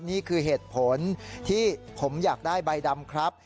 นี่คือเหตุผลที่ผมอยากได้ใบดำครับ